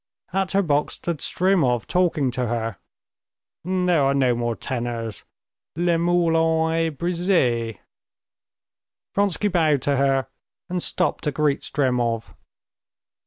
At her box stood Stremov, talking to her. "There are no more tenors. Le moule en est brisé!" Vronsky bowed to her and stopped to greet Stremov.